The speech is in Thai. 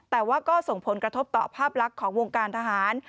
แต่ว่าก็ส่งผลกระทบต่อภาพลักษณ์ของวงการทหาร